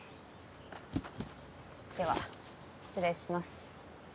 では失礼します。